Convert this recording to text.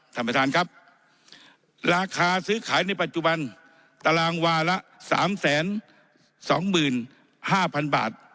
ท่านประธานครับราคาซื้อขายในปัจจุบันตารางวาละ๓๒๕๐๐๐บาท